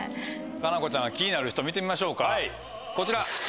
佳菜子ちゃんが気になる人見てみましょうかこちら。